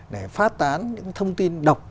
để phát tán những thông tin độc